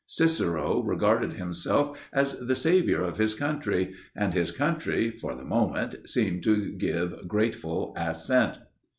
Cicero regarded himself as the savior of his country, and his country for the moment seemed to give grateful assent.